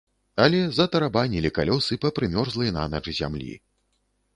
Але затарабанілі калёсы па прымёрзлай нанач зямлі.